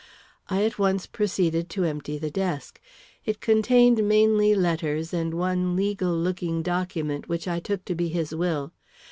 I at once proceeded to empty the desk. It contained mainly letters, and one legal looking document, which I took to be his will.